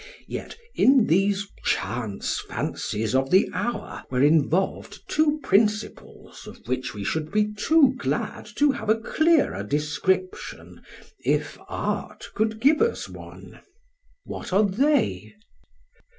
Yet in these chance fancies of the hour were involved two principles of which we should be too glad to have a clearer description if art could give us one. PHAEDRUS: What are they?